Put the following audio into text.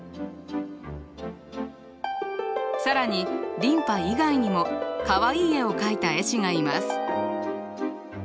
更に琳派以外にもかわいい絵を描いた絵師がいます。